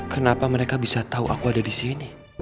kenapa mereka bisa tau aku ada disini